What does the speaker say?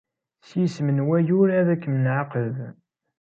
S yisem n wayyur, ad kem-nɛaqeb!